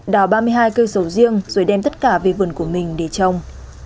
đào ba mươi hai cây sầu riêng rồi đem tất cả về vườn của mình để trồng